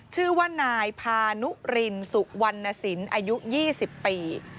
ชื่อว่านายพานุรินสุวรรณสินอายุ๒๐ปี